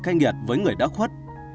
cay nghiệt với người đã khuất